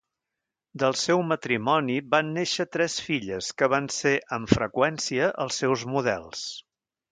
Del seu matrimoni van néixer tres filles que van ser, amb freqüència, els seus models.